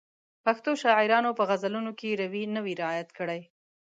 پښتو شاعرانو په غزلونو کې روي نه وي رعایت کړی.